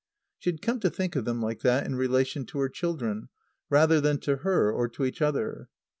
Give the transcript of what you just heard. She had come to think of them like that in relation to her children rather than to her or to each other.